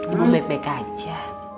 ibu baik baik aja